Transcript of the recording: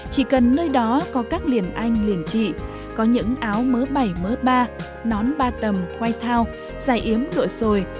chỉ cần nơi đó có các liền anh liền chị có những áo mớ bảy mớ ba nón ba tầm quay thao giải yếm đội sồi